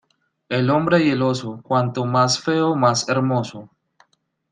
El hombre y el oso cuanto más feo más hermoso.